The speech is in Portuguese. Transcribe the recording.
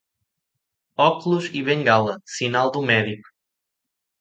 Óculos e bengala, sinal do médico.